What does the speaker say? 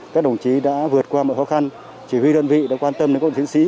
các đồng chí đã vượt qua mọi khó khăn chỉ huy đơn vị đã quan tâm đến các chiến sĩ